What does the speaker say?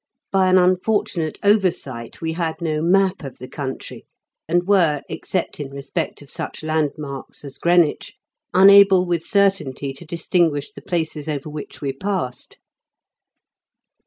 By an unfortunate oversight we had no map of the country, and were, except in respect of such landmarks as Greenwich, unable with certainty to distinguish the places over which we passed.